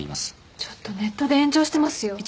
ちょっとネットで炎上してますよ。